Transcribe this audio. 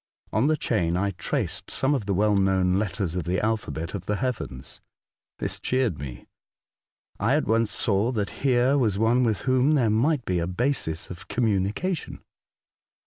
On the chain I traced some of the well known letters of the alphabet of the heavens. This cheered me. I at once saw that here was one with whom there might be a basis of communication.